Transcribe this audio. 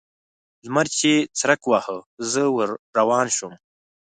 لمر چې څرک واهه؛ زه ور روان شوم.